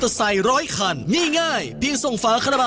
คลิกนิวิตแน่นอนนะครับ